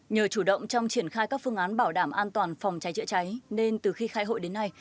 nhờ chủ động trong triển khai các phương án bảo đảm an toàn phòng cháy chữa cháy nên từ khi khai hội đến nay